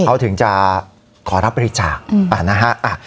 เขาถึงจะขอรับบริจาคอืมอ่านะฮะอ่ะ